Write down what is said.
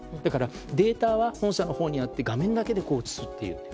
データは本社のほうにあって画面だけという。